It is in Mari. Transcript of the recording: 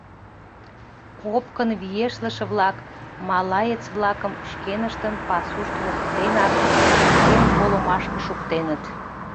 Опкын виешлыше-влак малаец-влакым шкеныштын пасушт воктенак шужен колымашке шуктеныт...